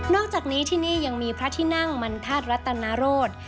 อกจากนี้ที่นี่ยังมีพระที่นั่งมันธาตุรัตนโรธ